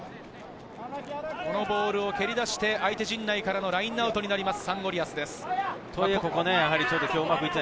このボールを蹴り出して、相手陣内からのラインアウトになります。